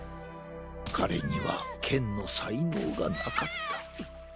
彼には剣の才能がなかった」。